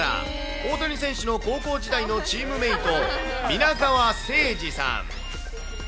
大谷選手の高校時代のチームメート、皆川清司さん。